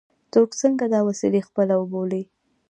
څوک څنګه دا وسیلې خپلې وبولي.